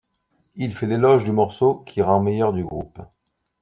Il fait l'éloge du morceau ' qui rend le meilleur du groupe.